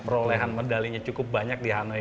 perolehan medalinya cukup banyak di hanoi